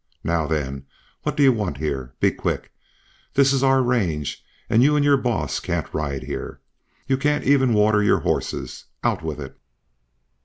Now then, what do you want here? Be quick. This's our range and you and your boss can't ride here. You can't even water your horses. Out with it!"